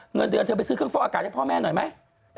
เงินเดือนเธอไปซื้อเครื่องฟอกอากาศให้พ่อแม่หน่อยไหม